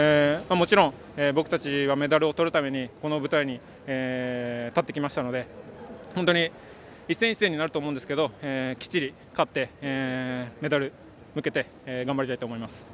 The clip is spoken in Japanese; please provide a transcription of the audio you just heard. もちろん、僕たちはメダルをとるためにこの舞台に立ってきましたので本当に一戦一戦になると思いますが、きっちり勝ってメダルに向けて頑張りたいと思います。